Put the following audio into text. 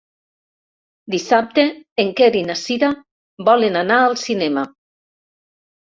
Dissabte en Quer i na Cira volen anar al cinema.